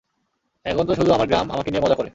এখন তো শুধু আমার গ্রাম আমাকে নিয়ে মজা করে।